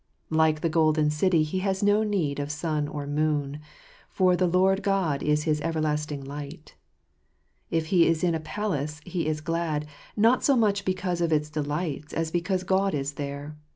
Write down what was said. Like the golden city, he has no need of sun or moon, for the Lord God is his everlasting light. If he is in a palace he is glad, not so much because of its delights as because God is there.